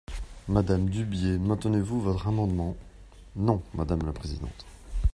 Madame Dubié, maintenez-vous votre amendement ? Non, madame la présidente.